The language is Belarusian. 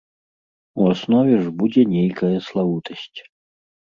У аснове ж будзе нейкая славутасць.